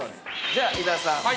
◆じゃあ、伊沢さん。